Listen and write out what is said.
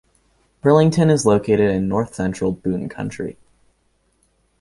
Burlington is located in north-central Boone County.